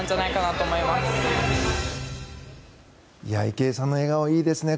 池江さんの笑顔いいですね。